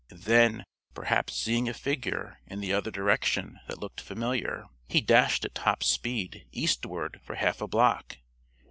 Then, perhaps seeing a figure, in the other direction, that looked familiar, he dashed at top speed, eastward, for half a block.